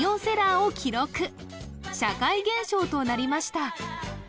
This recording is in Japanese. を記録社会現象となりました